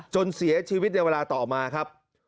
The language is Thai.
จนเสียชีวิตในเวลาต่อมาครับ